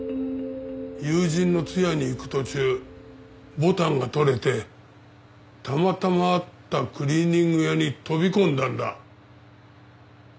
友人の通夜に行く途中ボタンが取れてたまたまあったクリーニング屋に飛び込んだんだ。